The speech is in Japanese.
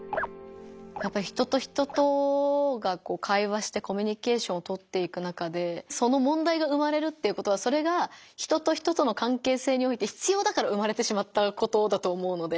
やっぱり人と人とが会話してコミュニケーションをとっていく中でそのもんだいが生まれるっていうことはそれが人と人との関係性において必要だから生まれてしまったことだと思うので。